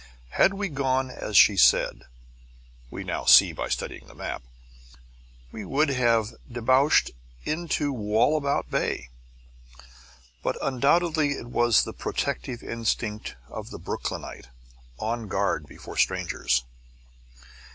Had we gone as she said (we now see by studying the map) we would have debouched into Wallabout Bay. But undoubtedly it was the protective instinct of the Brooklynite, on guard before strangers.